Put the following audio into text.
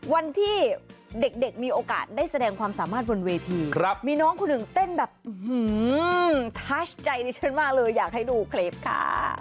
วันที่เด็กมีโอกาสได้แสดงความสามารถบนเวทีมีน้องคนหนึ่งเต้นแบบท้าชใจดิฉันมากเลยอยากให้ดูคลิปค่ะ